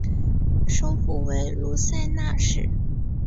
首府为卢塞纳市。